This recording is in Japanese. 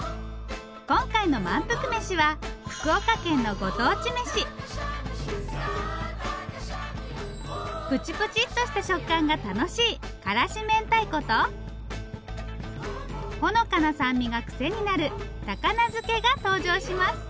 今回の「まんぷくメシ！」はプチプチッとした食感が楽しい辛子明太子とほのかな酸味がクセになる高菜漬けが登場します。